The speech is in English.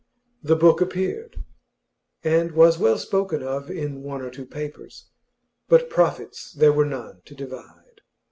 The book appeared, and was well spoken of in one or two papers; but profits there were none to divide.